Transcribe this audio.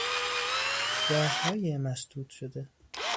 راههای مسدود شده